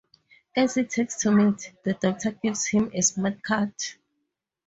As he takes the meat, the doctor gives him a smart cut.